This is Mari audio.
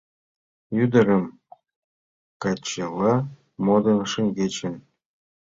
Ӱдырым, качыла модын, шеҥгечын